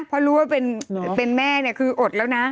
เพราะรู้ว่าเป็นแม่เนี่ยคืออดแล้วนะ